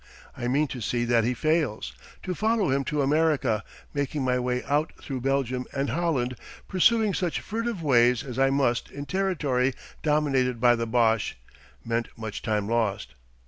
I mean to see that he fails.... To follow him to America, making my way out through Belgium and Holland, pursuing such furtive ways as I must in territory dominated by the Boche, meant much time lost.